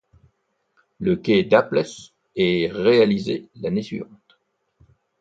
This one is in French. Le quai Dapples est réalisé l'année suivante.